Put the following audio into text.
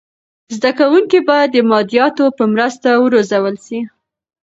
زده کونکي باید د مادیاتو په مرسته و روزل سي.